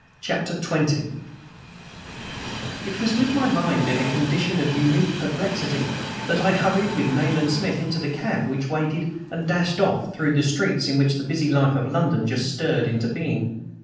CHAPTER XX IT was with my mind in a condition of unique perplexity that I hurried with Nayland Smith into the cab which waited and dashed off through the streets in which the busy life of London just stirred into being.